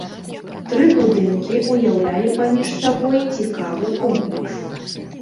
Тры будынкі ўяўлялі паміж сабой цікавы комплекс.